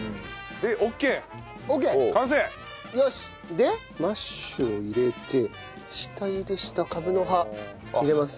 でマッシュを入れて下茹でしたカブの葉入れます。